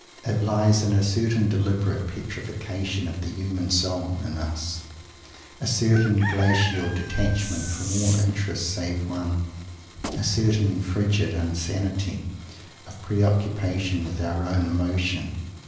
It lies in a certain deliberate "petrifaction" of the human soul in us; a certain glacial detachment from all interests save one; a certain frigid insanity of preoccupation with our own emotion.